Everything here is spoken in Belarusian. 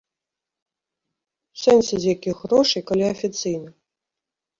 У сэнсе, з якіх грошай, калі афіцыйна?